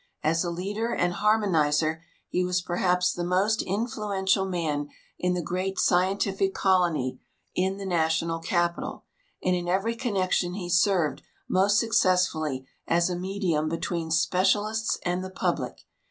As a leader and har monizer he was perhaps the most influential man in the great scientific colony in the National Capital, and in every connection he served most successfully as a medium between specialists and the imblic.